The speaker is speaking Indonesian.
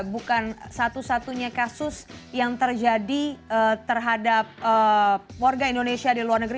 bukan satu satunya kasus yang terjadi terhadap warga indonesia di luar negeri